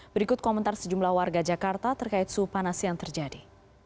berikut komentar sejumlah warga jakarta terkait suhu panas yang terjadi